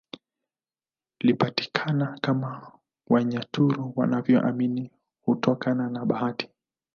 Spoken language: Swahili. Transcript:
Lipatikana kama Wanyaturu wanaovyoamini hutokana na bahati